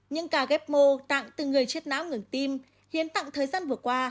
những cả ghép mô tạng từ người chết náo ngừng tim hiến tạng thời gian vừa qua